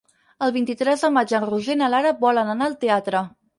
El vint-i-tres de maig en Roger i na Lara volen anar al teatre.